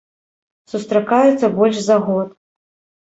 Сустракаюцца больш за год.